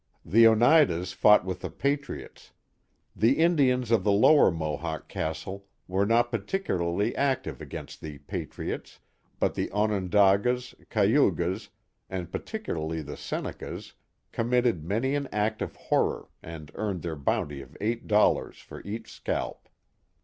The Oneidas fought with the patriots. The Indians of the lower Mohawk castle were not particularly active against the patriots, but the Onondagas, Cayugas, and particularly the Senecas, committed many an act of horror and earned their bounty of eight dollars for each scalp.